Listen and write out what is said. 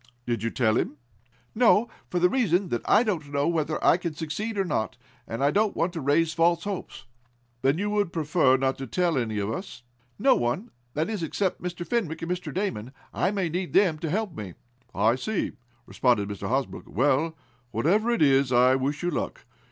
"Did you tell him?" "No, for the reason that I don't know whether I can succeed or not, and I don't want to raise false hopes." "Then you would prefer not to tell any of us?" "No one that is except Mr. Fenwick and Mr. Damon. I may need them to help me." "I see," responded Mr. Hosbrook. "Well, whatever it is, I wish you luck.